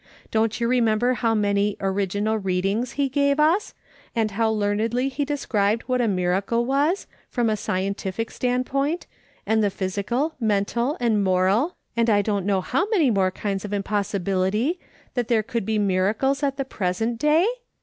Don't you remember how many ' original readings' lie gave us, and how learnedly he described what a miracle was, from a scientitic standpoint, and the «/ THINK THERE WAS AN UNBELIEVER:' 127 physical, and mental, and moral, and I don't know how many more kinds of impossibility that there could be miracles at the present day